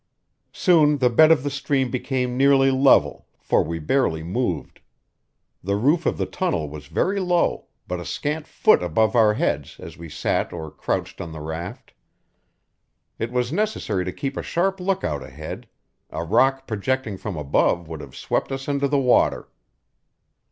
Soon the bed of the stream became nearly level, for we barely moved. The roof of the tunnel was very low but a scant foot above our heads as we sat or crouched on the raft. It was necessary to keep a sharp lookout ahead; a rock projecting from above would have swept us into the water.